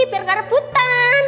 biar gak reputan